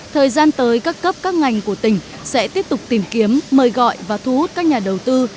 thời gian tới các cấp các ngành của tỉnh sẽ tiếp tục tìm kiếm mời gọi và thu hút các nhà đầu tư